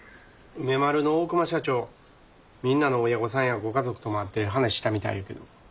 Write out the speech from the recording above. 梅丸の大熊社長みんなの親御さんやご家族とも会って話したみたいやけど。